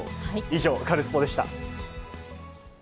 以上、カルスポっ！でした。